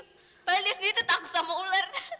padahal dia sendiri itu takut sama ular